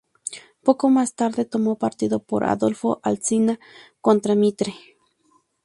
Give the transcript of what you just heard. Poco más tarde tomó partido por Adolfo Alsina contra Mitre.